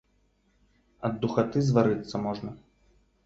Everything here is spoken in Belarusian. Ад духаты зварыцца можна.